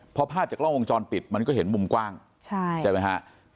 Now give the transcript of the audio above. พอภาพจากกล้องวงจรปิดมันก็เห็นมุมกว้างใช่ไหมฮะ